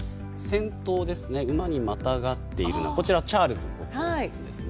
先頭の馬にまたがっているこちらチャールズ国王ですね。